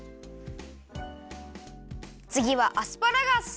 つぎはアスパラガス！